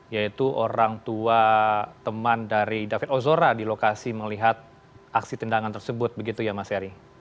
yaitu orang tua teman dari david ozora di lokasi melihat aksi tendangan tersebut begitu ya mas heri